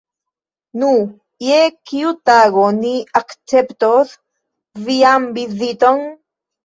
Nu, je kiu tago ni akceptos vian viziton?